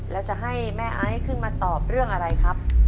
แล้วจะให้แม่ไอซ์ขึ้นมาตอบเรื่องอะไรครับ